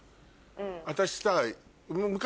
私さ。